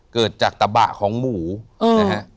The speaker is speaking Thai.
เกิดจากตะบะของหมูนะฮะ